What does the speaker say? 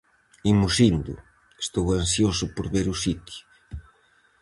Imos indo, estou ansioso por ver o sitio.